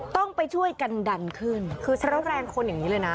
ต้องไปช่วยกันดันขึ้นคือใช้รถแรงคนอย่างนี้เลยนะ